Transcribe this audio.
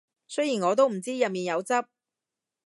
雖然我都唔知入面有汁